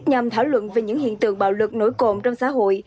nhằm thảo luận về những hiện tượng bạo lực nổi cộm trong xã hội